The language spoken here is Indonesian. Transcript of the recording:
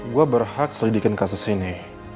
gue berhak selidikin kasus ini